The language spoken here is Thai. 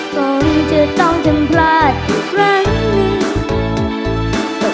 ก็จะต้องทำพลาดทุกครั้งหนึ่ง